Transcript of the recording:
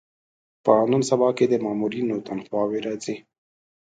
په نن سبا کې د مامورینو تنخوا وې راځي.